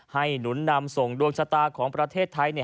หนุนนำส่งดวงชะตาของประเทศไทย